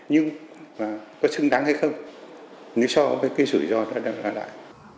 nhưng mà có xứng đáng hay không nếu so với cái rủi ro đó là lại